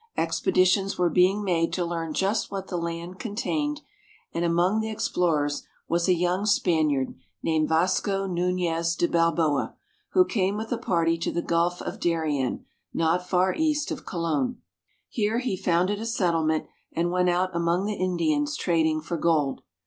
Expeditions were being made to learn just what the land contained, and among the explorers was a young Spaniard ISTHMUS OF PANAMA. 17 named Vasco Nunez de Balboa, who came with a party to the Gulf of Darien, not far east of Colon. Here he founded a settlement and went put among the Indians trading for gold.